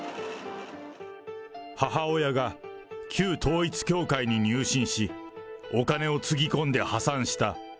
母親が旧統一教会に入信し、お金をつぎ込んで破産した。